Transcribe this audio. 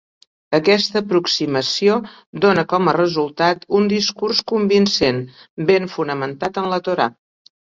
Aquesta aproximació dóna com a resultat un discurs convincent, ben fonamentat en la Torà.